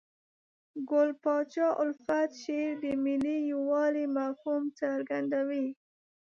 ګل پاچا الفت شعر د ملي یووالي مفهوم څرګندوي.